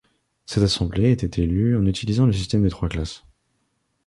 Cette assemblée était élue en utilisant le système des trois classes.